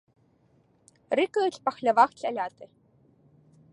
Рыкаюць па хлявах цяляты.